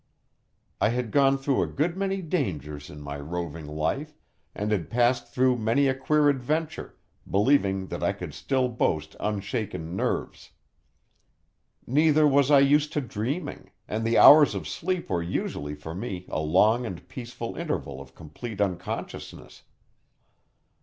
I had gone through a good many dangers in my roving life, and had passed through many a queer adventure, believing that I could still boast unshaken nerves. Neither was I used to dreaming, and the hours of sleep were usually for me a long and peaceful interval of complete unconsciousness.